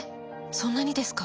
そんなにですか？